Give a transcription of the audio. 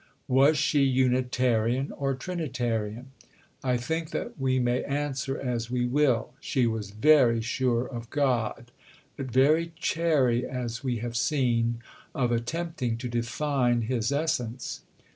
Was she Unitarian or Trinitarian? I think that we may answer as we will. She was "very sure of God," but very chary, as we have seen, of attempting to define His essence.